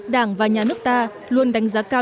đảng và nhà nước ta luôn đánh giá cao